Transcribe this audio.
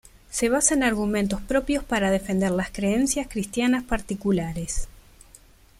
Se basa en argumentos propios para defender las creencias cristianas particulares.